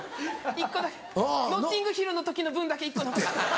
１個だけ『ノッティングヒル』の時の分だけ１個残して。